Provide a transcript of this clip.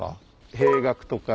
兵学とか。